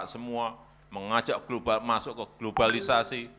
semua mengajak global masuk ke globalisasi